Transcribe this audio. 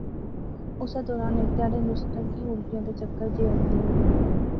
اسے دوران ہیک تہاڑے نصرتا کی الٹیاں تے چکر جئے اینے لاغے